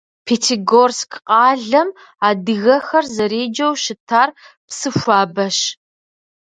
Пятигорск къалэм адыгэхэр зэреджэу щытар Псыхуабэщ.